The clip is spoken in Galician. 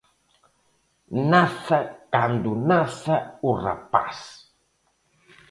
Naza cando naza o rapaz.